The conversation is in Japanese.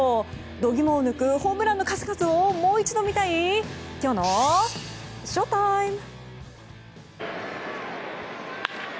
度肝を抜くホームランの数々をもう一度見たいきょうのＳＨＯＴＩＭＥ。